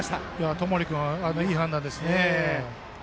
友利君、いい判断ですね。